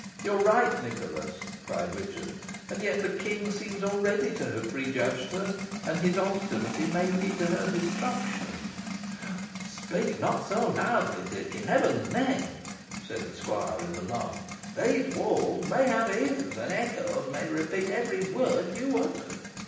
"You are right, Nicholas," cried Richard; "and yet the King seems already to have prejudged her, and his obstinacy may lead to her destruction." "Speak not so loudly, Dick, in Heaven's name!" said the squire, in alarm; "these walls may have ears, and echoes may repeat every word you utter."